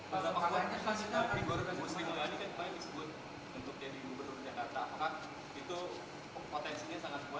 mas apakah itu potensinya sangat kuat